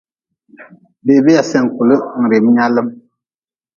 Bebea sen kule n rim nyaalm.